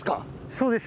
そうです。